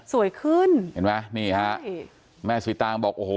สวยขึ้นเห็นไหมนี่ฮะแม่สีตางบอกโอ้โห